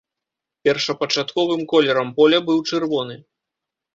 Першапачатковым колерам поля быў чырвоны.